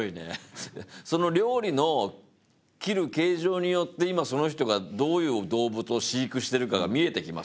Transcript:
その料理の切る形状によって今その人がどういう動物を飼育してるかが見えてきますよね。